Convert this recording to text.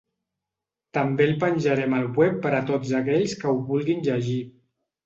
També el penjarem al web per a tots aquells que ho vulguin llegir.